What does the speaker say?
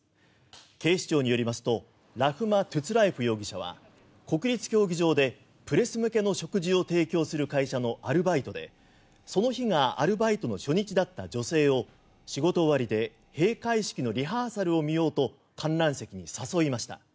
警視庁によりますとラフマトゥッラエフ容疑者は国立競技場でプレス向けの食事を提供する会社のアルバイトでその日がアルバイトの初日だった女性を仕事終わりで閉会式のリハーサルを見ようと観覧席に誘いました。